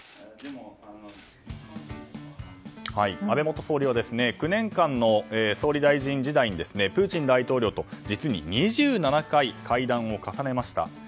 安倍元総理は９年間の総理大臣時代にプーチン大統領と実に２７回会談を重ねました。